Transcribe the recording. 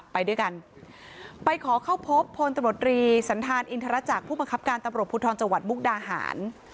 ไปด้วยกันไปขอเข้าพบพลตำรวจรีสันธารอินทรจักรผู้บังคับการตำรวจภูทรจังหวัดมุกดาหาร